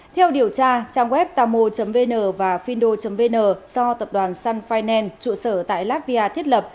theo điều tra trang web tamo vn và findo vn do tập đoàn sun finance trụ sở tại latvia thiết lập